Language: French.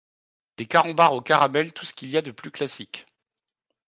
Des carambars au caramel tout ce qu’il y a de plus classiques.